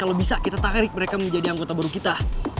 kalau bisa kita tarik mereka menjadi anggota baru kita